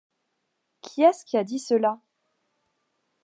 Qui est-ce qui a dit cela ?